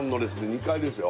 ２階ですよ